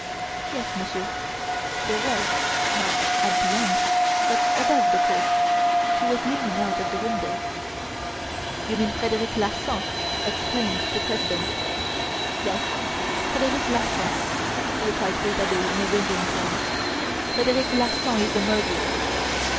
"Yes, Monsieur, there was, not at the end, but above the court, who was leaning out of the window." "Do you mean Frederic Larsan!" exclaimed the President. "Yes! Frederic Larsan!" replied Rouletabille in a ringing tone. "Frederic Larsan is the murderer!"